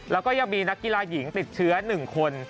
แล้วก็ยังมีนักกีฬาหญิงติดเชื้อ๑คน